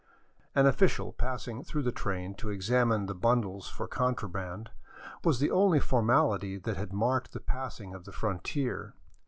An official passing through the train to examine the bundles for contraband was the only formality that had marked the passing of the frontier.